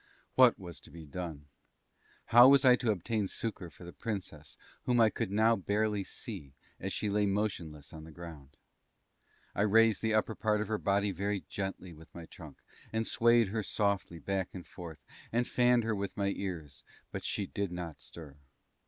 What was to be done? How was I to obtain succour for the Princess, whom I could now barely see, as she lay motionless on the ground? I raised the upper part of her body very gently with my trunk, and swayed her softly back and forth, and fanned her with my ears but she did not stir.